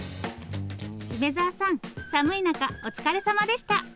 梅沢さん寒い中お疲れさまでした。